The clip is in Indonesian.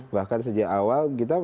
bahkan sejak awal kita